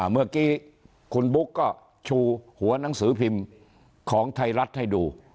เมื่อกี้คุณบุ๊กก็ชูหัวหนังสือพิมพ์ของไทยรัฐให้ดู